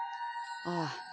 ああ。